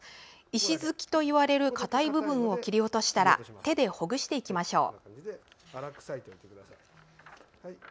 石突きといわれるかたい部分を切り落としたら手でほぐしていきましょう。